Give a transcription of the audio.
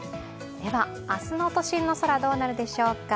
明日の都心の空、どうなるでしょうか。